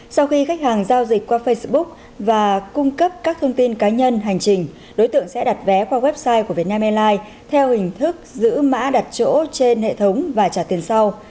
sau khi khách hàng giao dịch qua facebook và cung cấp các thông tin cá nhân hành trình đối tượng sẽ đặt vé qua website của vietnam airlines theo hình thức giữ mã đặt chỗ trên hệ thống và trả tiền sau